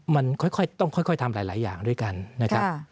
มันค่อยต้องค่อยทำหลายอย่างด้วยกันนะครับ